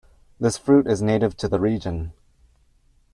This fruit is native to the region.